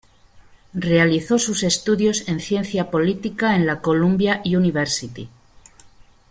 Realizó sus estudios en ciencia política en la Columbia University.